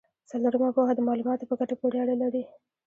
څلورمه پوهه د معلوماتو په ګټه پورې اړه لري.